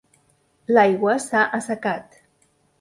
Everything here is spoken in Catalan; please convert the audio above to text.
L'aigua s'ha assecat.